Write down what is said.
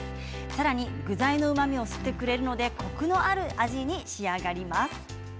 さらに具材のうまみを吸ってくれるのでコクのある味に仕上がります。